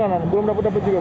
jangan belum dapat dapat juga